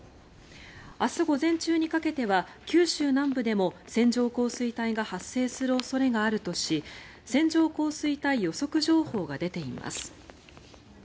明日午前中にかけては九州南部でも、線状降水帯が発生する恐れがあるとして線状降水帯予測情報が出ています。